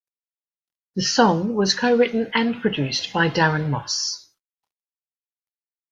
The song was co-written and produced by Darren Moss.